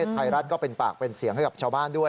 ไทยรัฐก็เป็นปากเป็นเสียงให้กับชาวบ้านด้วย